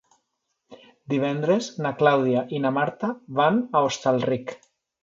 Divendres na Clàudia i na Marta van a Hostalric.